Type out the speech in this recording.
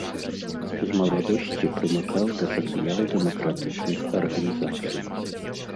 З маладосці прымыкаў да сацыял-дэмакратычных арганізацый.